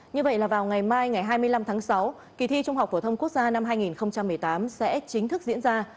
như vậy là vào ngày mai ngày hai mươi năm tháng sáu kỳ thi trung học phổ thông quốc gia năm hai nghìn một mươi tám sẽ chính thức diễn ra